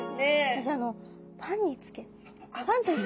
私あのパンにつけて。